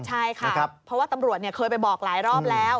ใช่ค่ะเพราะว่าตำรวจเคยไปบอกหลายรอบแล้ว